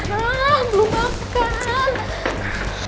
pangeran belum makan